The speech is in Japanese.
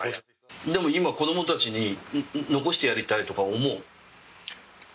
でも今、子供たちに残してやりたいとか、思う？